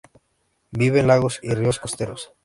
Vive en lagos y ríos costeros.